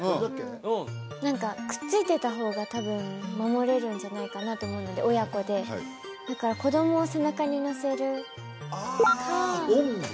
うん何かくっついてた方が多分守れるんじゃないかなと思うので親子でだから子供を背中に乗せるあおんぶ？